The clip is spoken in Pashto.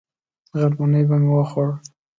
غرمنۍ به مې وخوړه.